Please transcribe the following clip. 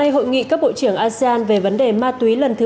hội nghị các bộ trưởng asean về vấn đề ma túy lần thứ ba